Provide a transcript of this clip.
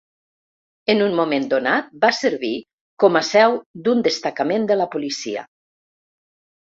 En un moment donat, va servir com a seu d'un destacament de la policia.